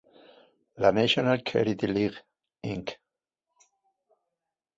La National Charity League, Inc.